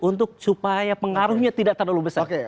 untuk supaya pengaruhnya tidak terlalu besar